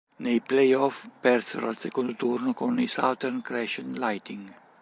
Nei play-off persero al secondo turno con i Southern Crescent Lightning.